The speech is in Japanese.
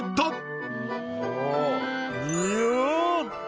いや！